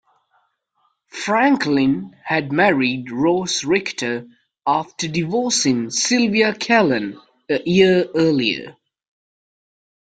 Franklin had married Rose Richter after divorcing Sylvia Calen a year earlier.